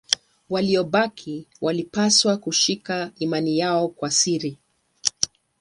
Waliobaki walipaswa kushika imani yao kwa siri.